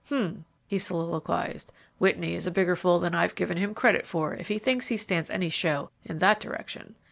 "H'm!" he soliloquized; "Whitney is a bigger fool than I've given him credit for if he thinks he stands any show in that direction.